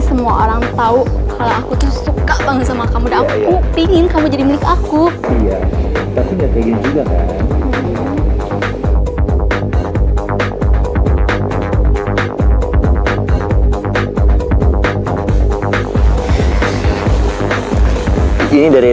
sampai jumpa di video selanjutnya